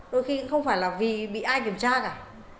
đôi khi cũng không phải là vì bị ai kiểm tra cả